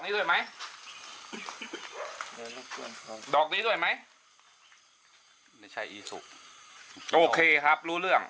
ด้วยไหมดอกนี้ด้วยไหมไม่ใช่อีสุโอเคครับรู้เรื่อง